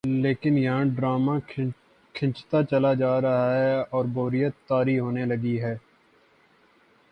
لیکن یہاں ڈرامہ کھنچتا چلا جارہاہے اوربوریت طاری ہونے لگی ہے۔